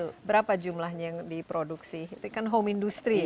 nah berapa jumlahnya yang diproduksi itu kan home industry ya